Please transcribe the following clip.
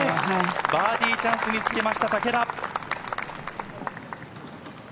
バーディーチャンスにつけました竹田。